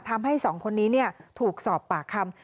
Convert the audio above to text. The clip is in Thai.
ทำให้สองคนนี้ถูกสอบปากคำ